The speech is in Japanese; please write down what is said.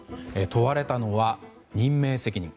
問われたのは任命責任。